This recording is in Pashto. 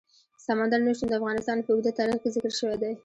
سمندر نه شتون د افغانستان په اوږده تاریخ کې ذکر شوی دی.